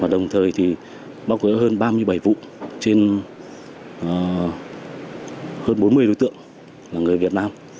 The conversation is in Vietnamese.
đồng thời thì bóc gỡ hơn ba mươi bảy vụ trên hơn bốn mươi đối tượng là người việt nam